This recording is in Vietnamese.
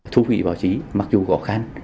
thu phí báo chí mặc dù gõ khăn